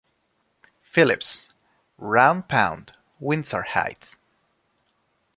Philip's, Round Pound, Windsor Heights.